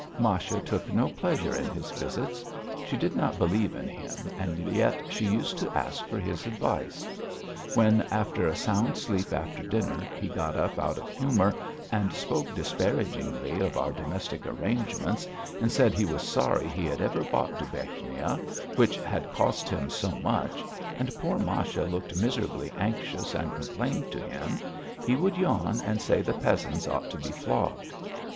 Masha took no pleasure in his visits. She did not believe in him, and yet she used to ask his advice; when, after a sound sleep after dinner, he got up out of humour, and spoke disparagingly of our domestic arrangements, and said he was sorry he had ever bought Dubechnia which had cost him so much, and poor Masha looked miserably anxious and complained to him, he would yawn and say the peasants ought to be flogged.